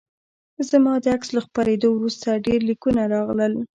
زما د عکس له خپریدو وروسته ډیر لیکونه راغلل